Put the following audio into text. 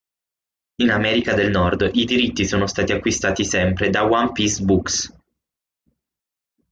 In America del Nord i diritti sono stati acquistati sempre da One Peace Books.